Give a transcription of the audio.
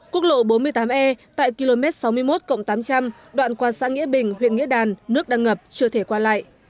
quốc lộ bốn mươi tám e tại km sáu mươi một tám trăm linh đoạn qua xã nghĩa bình huyện nghĩa đàn nước đang ngập chưa thể qua lại